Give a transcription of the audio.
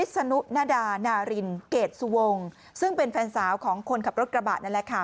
สนุนดานารินเกรดสุวงซึ่งเป็นแฟนสาวของคนขับรถกระบะนั่นแหละค่ะ